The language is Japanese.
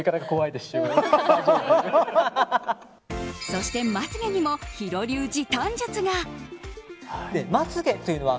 そしてまつ毛にもヒロ流時短術が。